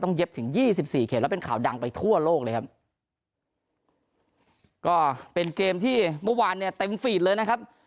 เย็บถึงยี่สิบสี่เขตแล้วเป็นข่าวดังไปทั่วโลกเลยครับก็เป็นเกมที่เมื่อวานเนี่ยเต็มฟีดเลยนะครับ